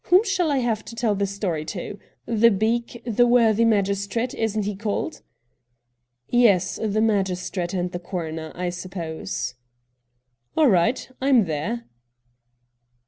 Whom shall I have to tell the story to ? The beak — the worthy magistrate, isn't he called ?'' Yes, the magistrate and the coroner, I suppose.' ' All right ; I'm there.'